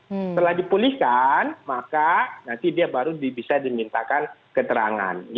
setelah dipulihkan maka nanti dia baru bisa dimintakan keterangan